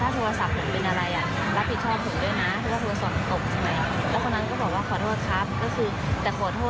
เพราะว่าคนที่โดนถอดเสื้อคือโดนเชินเขาเรียกว่าอะไรเดินเชินโทรศัพท์อ่ะค่ะ